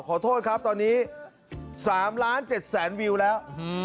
ขอโทษครับตอนนี้๓ล้าน๗แสนวิวแล้ว